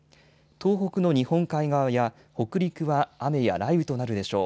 東北の日本海側や北陸は雨や雷雨となるでしょう。